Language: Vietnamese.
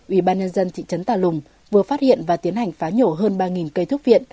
ubnd tp tà lùng vừa phát hiện và tiến hành phá nhổ hơn ba cây thúc viện